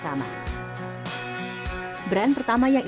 sampai bahkan kita berusaha nanya